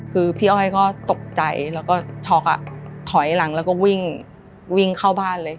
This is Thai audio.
คือพี่อ้อยก็ตกใจแล้วก็ช็อกถอยหลังแล้วก็วิ่งวิ่งเข้าบ้านเลย